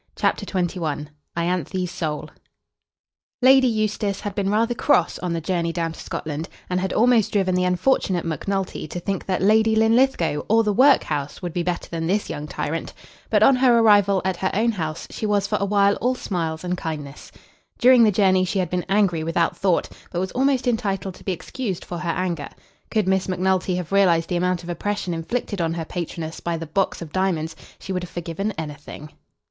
CHAPTER XXI "Ianthe's Soul" Lady Eustace had been rather cross on the journey down to Scotland, and had almost driven the unfortunate Macnulty to think that Lady Linlithgow or the workhouse would be better than this young tyrant; but on her arrival at her own house she was for awhile all smiles and kindness. During the journey she had been angry without thought, but was almost entitled to be excused for her anger. Could Miss Macnulty have realised the amount of oppression inflicted on her patroness by the box of diamonds she would have forgiven anything.